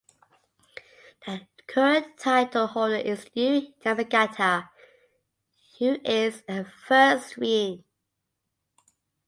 The current title holder is Yuu Yamagata who is in her first reign.